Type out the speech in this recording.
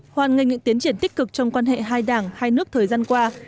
hoàn ngành những tiến triển tích cực trong quan hệ hai đảng hai nước thời gian qua